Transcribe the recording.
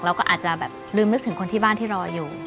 เราก็อาจจะแบบลืมนึกถึงคนที่บ้านที่รออยู่